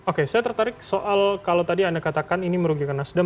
oke saya tertarik soal kalau tadi anda katakan ini merugikan nasdem